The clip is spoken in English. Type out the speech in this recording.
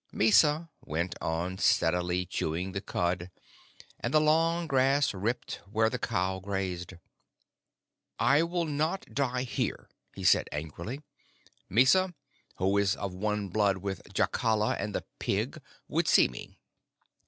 Mysa went on steadily chewing the cud, and the long grass ripped where the cow grazed. "I will not die here," he said angrily. "Mysa, who is of one blood with Jacala and the pig, would see me.